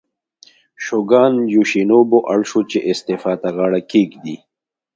شوګان یوشینوبو اړ شو چې استعفا ته غاړه کېږدي.